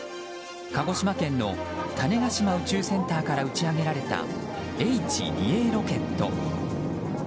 鹿児島県の種子島宇宙センターから打ち上げられたＨ２Ａロケット。